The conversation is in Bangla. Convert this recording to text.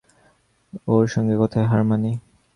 ওঁর সঙ্গে কথায় হার মানি।